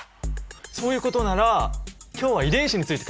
そういうことなら今日は遺伝子について考えてみる？